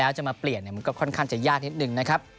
แล้วจะมาเปลี่ยนมันก็ค่อนข้างจะยากนิดนึงนะครับ